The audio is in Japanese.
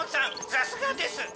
さすがです。